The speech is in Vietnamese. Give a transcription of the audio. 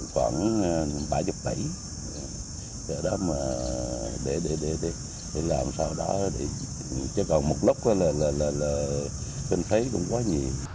khoảng ba mươi tẩy để làm sau đó chứ còn một lúc là trình thấy cũng quá nhiều